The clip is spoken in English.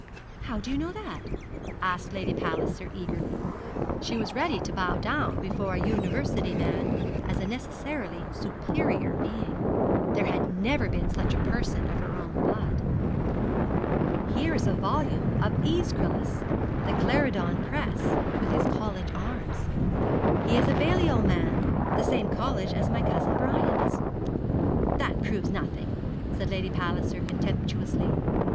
'How do you know that?' asked Lady Palliser, eagerly. She was ready to bow down before a University man as a necessarily superior being. There had never been such a person of her own blood. 'Here is a volume of Æschylus the Clarendon Press with his college arms. He is a Balliol man, the same college as my cousin Brian's.' 'That proves nothing,' said Lady Palliser, contemptuously.